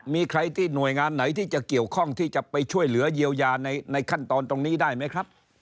มีใครที่หน่วยงานไหนที่จะเกี่ยวข้องที่จะไปช่วยเหลือเยียวยาในขั้นตอนตรงนี้ได้ไหมครับ